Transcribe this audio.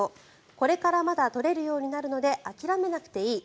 これからまだ取れるようになるので諦めなくていい。